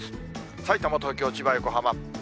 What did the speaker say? さいたま、東京、千葉、横浜。